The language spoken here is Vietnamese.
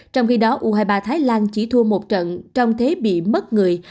trong khi đó u hai mươi ba thái lan chỉ thua một trận trong thế bị mất người